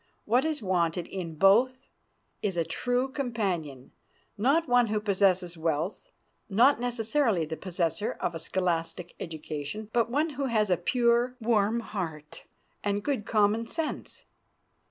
What is wanted in both is a true companion; not one who possesses wealth, not necessarily the possessor of a scholastic education, but one who has a pure, warm heart and good common sense.